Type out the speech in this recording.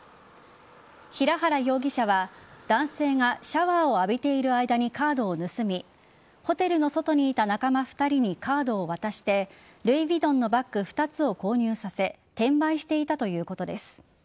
平原容疑者は男性がシャワーを浴びている間にカードを盗みホテルの外にいた仲間２人にカードを渡してルイ・ヴィトンのバッグ２つを購入させ転売していたということです。